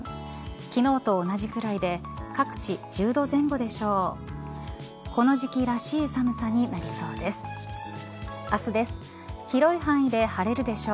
昨日と同じくらいで各地１０度前後でしょう。